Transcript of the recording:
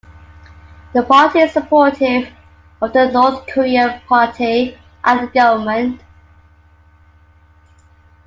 The party is supportive of the North Korea Party and government.